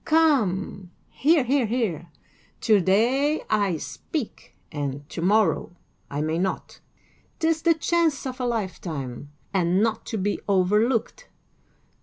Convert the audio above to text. Come, hear, hear, hear! To day I speak, and to morrow I may not: 'tis the chance of a lifetime, and not to be overlooked.